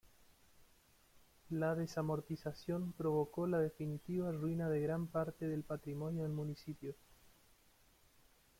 La desamortización provocó la definitiva ruina de gran parte del patrimonio del municipio.